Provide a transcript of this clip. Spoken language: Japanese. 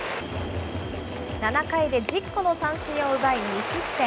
７回で１０個の三振を奪い、２失点。